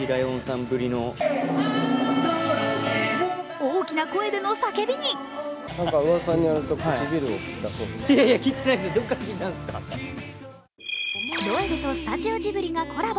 大きな声での叫びにロエベとスタジオジブリがコラボ。